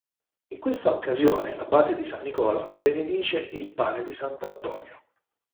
In questa occasione l'abate di S. Nicola benedice "il pane di S. Antonio".